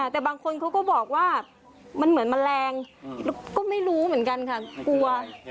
แต่บางคนเขาก็บอกว่ามันเหมือนแมลงก็ไม่รู้เหมือนกันค่ะกลัว